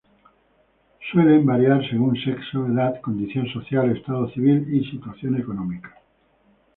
Suele variar según sexo, edad, condición social, estado civil y situación económica.